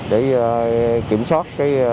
để kiểm soát